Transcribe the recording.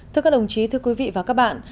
thưa các đồng chí thưa quý vị và các bạn